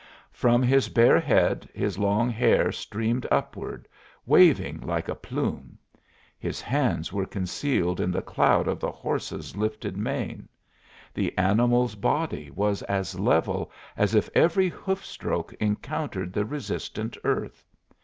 From his bare head his long hair streamed upward, waving like a plume. His hands were concealed in the cloud of the horse's lifted mane. The animal's body was as level as if every hoof stroke encountered the resistant earth.